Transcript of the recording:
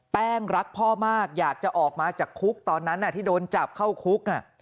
รักพ่อมากอยากจะออกมาจากคุกตอนนั้นที่โดนจับเข้าคุก